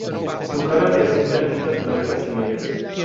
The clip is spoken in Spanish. Su cara presenta listas blancas y negras.